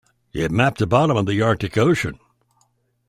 It mapped the bottom of the Arctic Ocean.